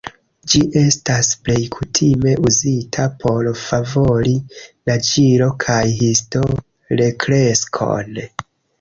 Ĝi estas plej kutime uzita por favori naĝilo- kaj histo-rekreskon.